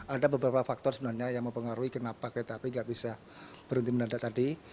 ada beberapa faktor sebenarnya yang mempengaruhi kenapa kereta api tidak bisa berhenti menanda tadi